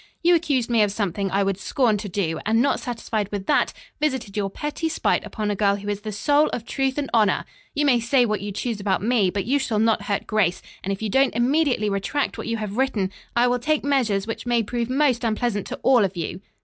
You accused me of something I would scorn to do, and not satisfied with that, visited your petty spite upon a girl who is the soul of truth and honor. You may say what you choose about me, but you shall not hurt Grace, and if you don't immediately retract what you have written I will take measures which may prove most unpleasant to all of you."